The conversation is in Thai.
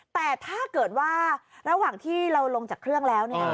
แต่ถ้าเกิดว่าระหว่างที่เราลงจากเครื่องแล้ว